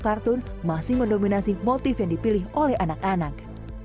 kartun masih mendominasi motif yang dipilih oleh anak anak